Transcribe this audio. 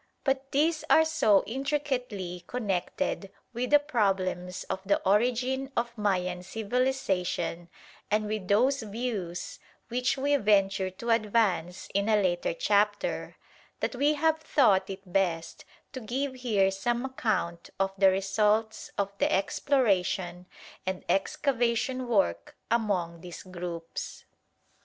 But these are so intricately connected with the problems of the origin of Mayan civilisation and with those views which we venture to advance in a later chapter, that we have thought it best to give here some account of the results of the exploration and excavation work among these groups.